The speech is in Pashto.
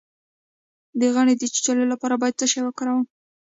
د غڼې د چیچلو لپاره باید څه شی وکاروم؟